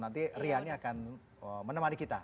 nanti riani akan menemani kita